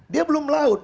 dia belum laut